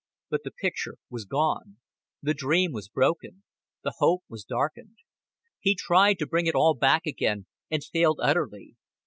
But the picture was gone, the dream was broken, the hope was darkened. He tried to bring it all back again, and failed utterly.